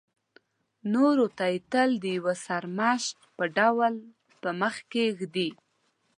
نورو ته یې تل د یو سرمشق په ډول په مخکې ږدي.